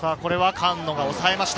菅野が抑えました。